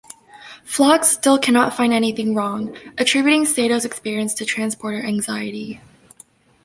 Phlox still cannot find anything wrong, attributing Sato's experience to transporter anxiety.